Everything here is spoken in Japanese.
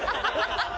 ハハハ！